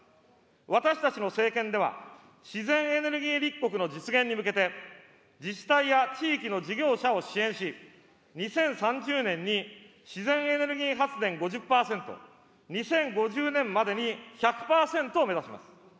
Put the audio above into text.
私たちの政権では、自然エネルギー立国の実現に向けて、自治体や地域の事業者を支援し、２０３０年に自然エネルギー発電５０％、２０５０年までに１００％を目指します。